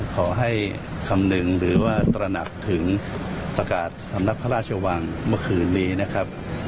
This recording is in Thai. ขอให้คำนึงหรือว่าตระหนักถึงประกาศสำนักพระราชวังเมื่อคืนนี้นะครับ